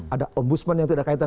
ada ombudsman yang tidak kaitan